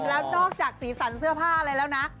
แล้วนอกจากสีสันเสื้อผ้าอะไรแล้วนะ